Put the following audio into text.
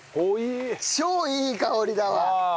超いい香りだわ！